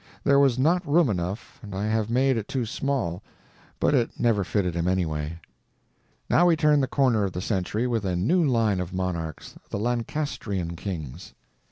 There was not room enough and I have made it too small; but it never fitted him, anyway. Now we turn the corner of the century with a new line of monarchs—the Lancastrian kings.